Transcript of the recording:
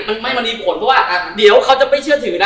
มันไม่มณีผลเพราะว่าเดี๋ยวเขาจะไม่เชื่อถือนะ